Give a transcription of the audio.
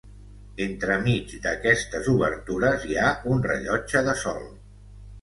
Entremig d'aquestes obertures hi ha un rellotge de sol.